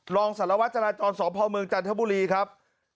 รองสารวัตรจราจรสพเมืองจันทบุรีครับ